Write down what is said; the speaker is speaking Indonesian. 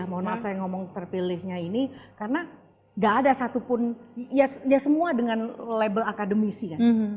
mohon maaf saya ngomong terpilihnya ini karena gak ada satupun ya semua dengan label akademisi kan